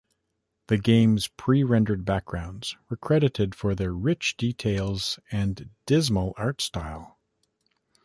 The game's pre-rendered backgrounds were credited for their rich details and dismal art style.